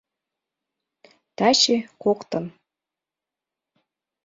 Таче — коктын